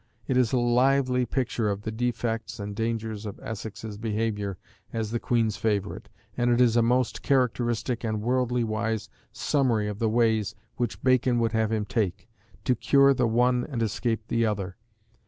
It is a lively picture of the defects and dangers of Essex's behaviour as the Queen's favourite; and it is a most characteristic and worldly wise summary of the ways which Bacon would have him take, to cure the one and escape the other.